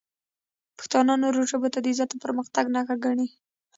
پښتانه نورو ژبو ته د عزت او پرمختګ نښه ګڼي.